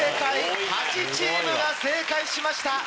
８チームが正解しました。